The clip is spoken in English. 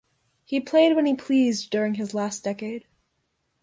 He played when he pleased during his last decade.